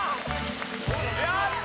やった！